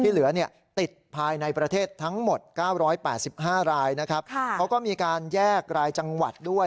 ที่เหลือเนี่ยติดภายในประเทศทั้งหมดเก้าร้อยแปดสิบห้ารายนะครับค่ะเขาก็มีการแยกรายจังหวัดด้วย